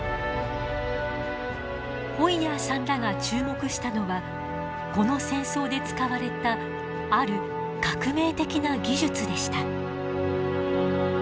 ホイヤーさんらが注目したのはこの戦争で使われたある革命的な技術でした。